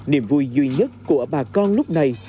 niềm vui duy nhất của bà con lúc này